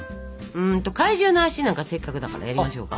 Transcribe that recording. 怪獣の足なんかせっかくだからやりましょうか？